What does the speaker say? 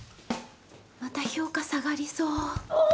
また評価下がりそう。